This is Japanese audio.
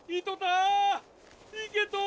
いとた！